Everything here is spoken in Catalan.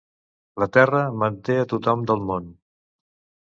La terra manté a tothom del món.